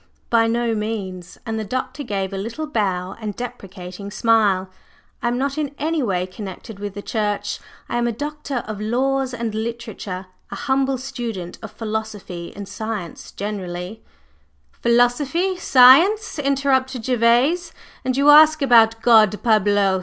"By no means!" and the Doctor gave a little bow and deprecating smile. "I am not in any way connected with the Church. I am a doctor of laws and literature, a humble student of philosophy and science generally …" "Philosophy! Science!" interrupted Gervase. "And you ask about God! _Parbleu!